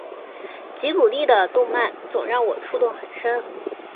吉卜力的动漫总让我触动很深